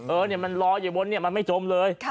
เออมันลอยอยู่บนเนี่ยมันไม่จมเลย